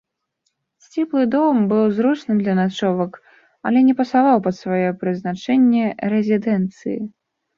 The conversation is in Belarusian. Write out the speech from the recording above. Сціплы дом быў зручным для начовак, але не пасаваў пад свае прызначэнне рэзідэнцыі.